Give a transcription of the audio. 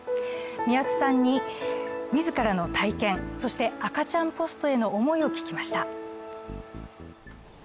宮津さんに自らの体験そして赤ちゃんポストへの思いを聞きました。